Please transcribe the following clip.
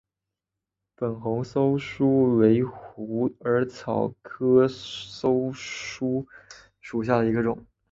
粉红溲疏为虎耳草科溲疏属下的一个种。